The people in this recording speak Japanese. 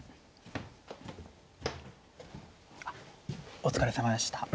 お疲れさまでした。